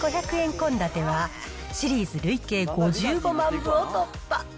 献立は、シリーズ累計５５万部を突破。